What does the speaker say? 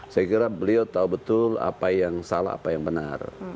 saya kira beliau tahu betul apa yang salah apa yang benar